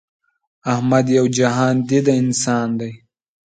احمد یو جهان دیده انسان دی.